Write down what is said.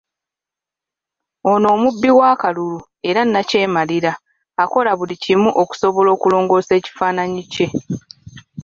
Ono omubbi w'akalulu era nnakyemalira akola buli kimu okusobola okulongoosa ekifaananyi kye.